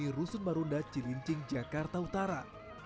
di rusun marunda cilincing jakarta utara